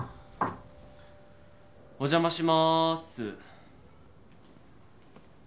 ・お邪魔します。